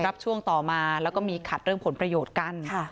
รับช่วงต่อมาแล้วก็มีขัดเรื่องผลประโยชน์กัน